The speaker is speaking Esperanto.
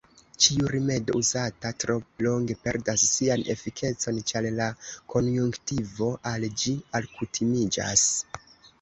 Ĉiu rimedo, uzata tro longe, perdas sian efikecon, ĉar la konjunktivo al ĝi alkutimiĝas.